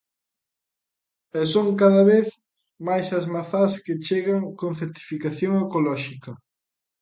E son cada vez máis as mazás que chegan con certificación ecolóxica.